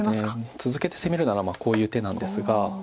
続けて攻めるならこういう手なんですが。